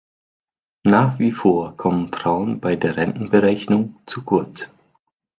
Nach wie vor kommen Frauen bei der Rentenberechnung zu kurz.